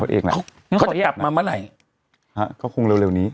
เขาก็จะกลับมาเมื่อไหน